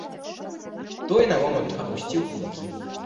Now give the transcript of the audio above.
Той на момант апусціў кулакі.